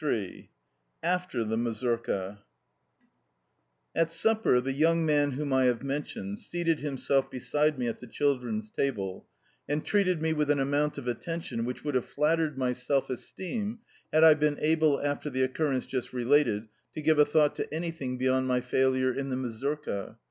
XXIII AFTER THE MAZURKA At supper the young man whom I have mentioned seated himself beside me at the children's table, and treated me with an amount of attention which would have flattered my self esteem had I been able, after the occurrence just related, to give a thought to anything beyond my failure in the mazurka.